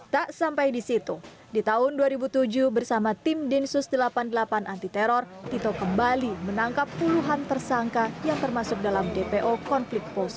tak sampai di situ di tahun dua ribu tujuh bersama tim densus delapan puluh delapan anti teror tito kembali menangkap puluhan tersangka yang termasuk dalam dpo konflik poso